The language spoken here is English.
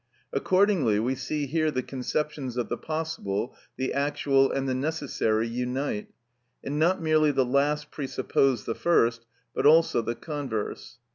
Accordingly, we see here the conceptions of the possible, the actual, and the necessary unite, and not merely the last presuppose the first, but also the converse.